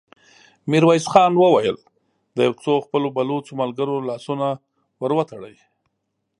ميرويس خان وويل: د يو څو خپلو بلوڅو ملګرو لاسونه ور وتړئ!